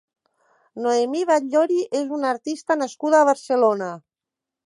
Noemí Batllori és una artista nascuda a Barcelona.